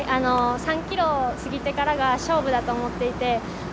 ３ｋｍ過ぎてからが勝負だと思っていて。